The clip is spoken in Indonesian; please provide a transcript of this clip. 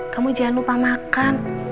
kamu jangan lupa makan